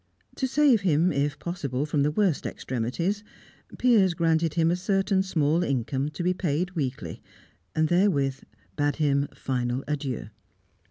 To save him, if possible, from the worst extremities, Piers granted him a certain small income, to be paid weekly, and therewith bade him final adieu.